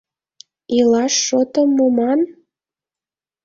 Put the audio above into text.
Илаш шотым муман?